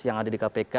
yang ada di kpk